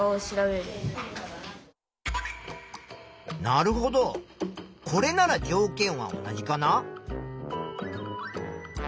なるほどこれなら条件は同じかな？